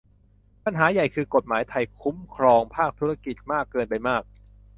ปัญหาใหญ่คือกฏหมายไทยคุ้มครองภาคธุรกิจมากเกินไปมาก